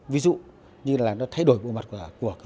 ví dụ như là nó thay đổi bộ mặt của